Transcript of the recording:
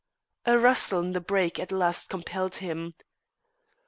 A rustle in the brake at last compelled him.